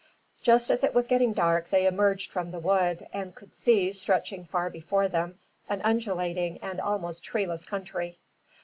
Just as it was getting dark they emerged from the wood, and could see, stretching far before them, an undulating and almost treeless country.